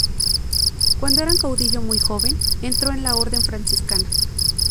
Cuando era un caudillo muy joven, entró en la orden franciscana.